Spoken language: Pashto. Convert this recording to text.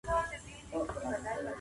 د بل چا په ژوند کې مداخله مه کوه.